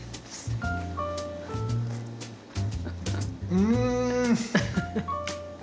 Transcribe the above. うん！